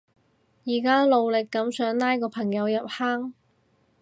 而家努力噉想拉個朋友入坑